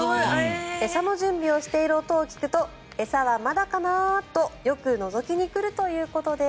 餌の準備をしている音を聞くと餌はまだかなとよくのぞきに来るということです。